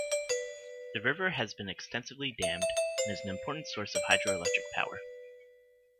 The river has been extensively dammed and is an important source of hydroelectric power.